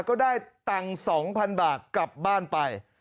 ก็ได้ตังค์๒๐๐๐บาทกลับบ้านไป